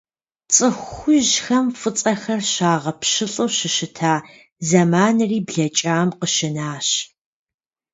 ЦӀыху хужьхэм фӀыцӀэхэр щагъэпщылӀу щыщыта зэманри блэкӀам къыщынащ.